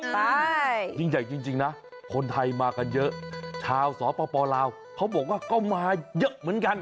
ใช่ยิ่งใหญ่จริงนะคนไทยมากันเยอะชาวสปลาวเขาบอกว่าก็มาเยอะเหมือนกัน